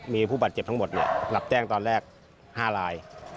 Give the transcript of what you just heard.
มีผู้บาดเจ็บทั้งหมดรับแจ้งตอนแรก๕ลาย